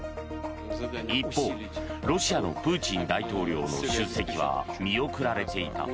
一方、ロシアのプーチン大統領の出席は見送られていた。